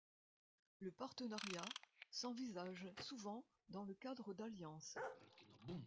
Le partenariat s'envisage souvent dans le cadre d'alliances.